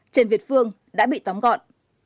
trên việt phương đã bị tóm gọn